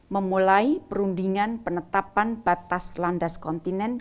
memulai perundingan penetapan batas landas kontinen